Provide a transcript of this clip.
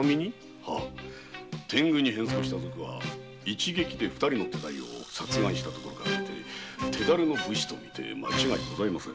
天狗に変装した賊は一撃で二人を殺害したことから腕が立つ武士とみて間違いございません。